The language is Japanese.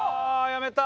やめた。